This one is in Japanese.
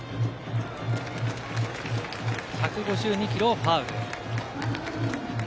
１５２キロをファウル。